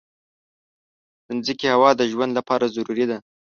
د مځکې هوا د ژوند لپاره ضروري ده.